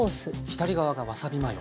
左側がわさびマヨ。